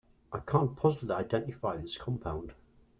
I can't positively identify this compound.